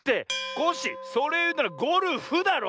コッシーそれをいうならゴルフだろ。